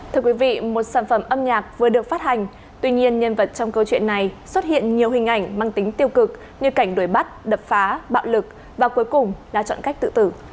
thưa quý vị một sản phẩm âm nhạc vừa được phát hành tuy nhiên nhân vật trong câu chuyện này xuất hiện nhiều hình ảnh mang tính tiêu cực như cảnh đuổi bắt đập phá bạo lực và cuối cùng là chọn cách tự tử